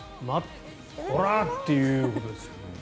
こら！っていうことですよ。